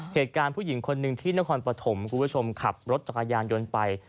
เหตุการณ์ผู้หญิงคนหนึ่งที่นครปฐมคุณผู้ชมขับรถจักรยานยนต์ไป